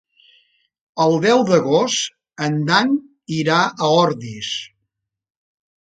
El deu d'agost en Dan irà a Ordis.